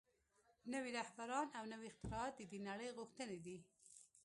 نوي رهبران او نوي اختراعات د دې نړۍ غوښتنې دي